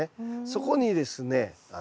そこにですね